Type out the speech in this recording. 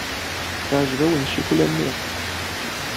Teɛjeb-awen ccikula-nni.